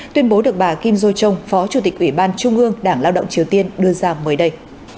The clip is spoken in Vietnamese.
tuyên bố được bà kim do chong phó chủ tịch ủy ban trung ương đảng lao động triều tiên đưa ra mới đây